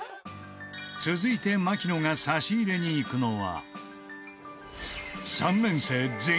続いて槙野が差し入れに行くのは